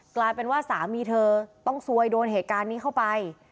กลายเป็นว่าสามีเธอต้องซวยโดนเหตุการณ์นี้เข้าไป